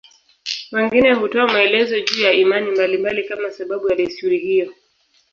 Wengine hutoa maelezo juu ya imani mbalimbali kama sababu ya desturi hiyo.